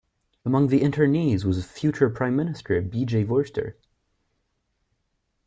Among the internees was future prime minister B. J. Vorster.